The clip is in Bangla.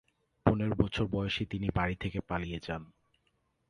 পনের বছর বয়সে তিনি বাড়ি থেকে পালিয়ে যান।